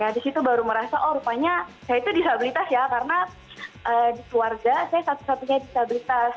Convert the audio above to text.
di situ baru merasa oh rupanya saya itu disabilitas ya karena di keluarga saya satu satunya disabilitas